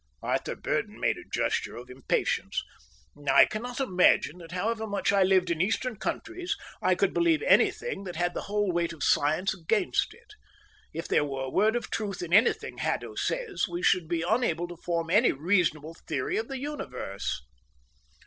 Arthur Burdon made a gesture of impatience. "I cannot imagine that, however much I lived in Eastern countries, I could believe anything that had the whole weight of science against it. If there were a word of truth in anything Haddo says, we should be unable to form any reasonable theory of the universe."